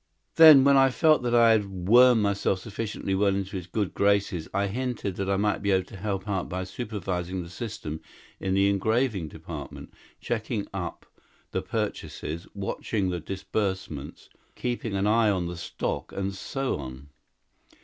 "Then, when I felt that I had wormed myself sufficiently well into his good graces, I hinted that I might be able to help out by supervising the system in the engraving department checking up the purchases, watching the disbursements, keeping an eye on the stock and so on.